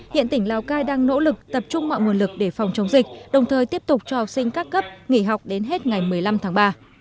hiện tỉnh lào cai đang nỗ lực tập trung mọi nguồn lực để phòng chống dịch đồng thời tiếp tục cho học sinh các cấp nghỉ học đến hết ngày một mươi năm tháng ba